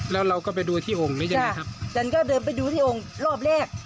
แล้วเราก็ไปดูที่โอ่งยังไงครับฉันก็เดินไปดูที่โอ่งโรบแรก